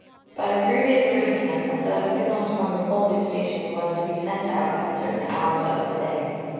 By previous arrangement a set of signals from the Poldhu station was to be sent out at certain hours of the day.